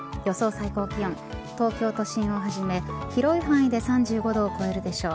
最高気温東京都心をはじめ広い範囲で３５度を超えるでしょう。